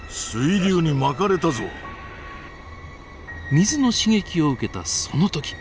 水の刺激を受けたその時。